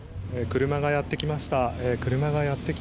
車がやってきました。